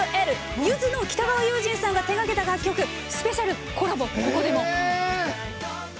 ゆずの北川悠仁さんが手がけた楽曲、スペシャルコラボします。